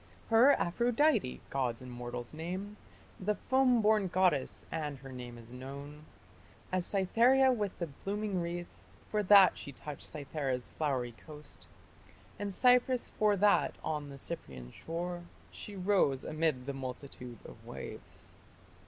Her Aphrodite gods and mortals name, The foam born goddess; and her name is known As Cytherea with the blooming wreath, For that she touched Cythera's flowery coast; And Cypris, for that on the Cyprian shore She rose, amid the multitude of waves.